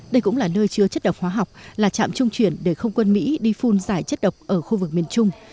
đây cũng là nơi chứa chất độc hóa học là trạm trung chuyển để không quân mỹ đi phun giải chất độc ở khu vực miền trung